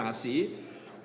lalu kemudian dikonfirmasi